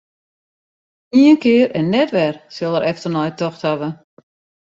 Ien kear en net wer sil er efternei tocht hawwe.